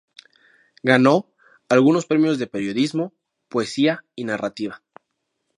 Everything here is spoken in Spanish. Ganó algunos premios de periodismo, poesía y narrativa.